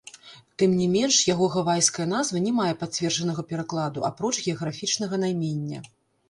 Тым не менш, яго гавайская назва не мае пацверджанага перакладу, апроч геаграфічнага наймення.